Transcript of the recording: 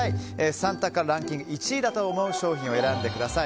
３択からランキング１位だと思う商品を選んでください。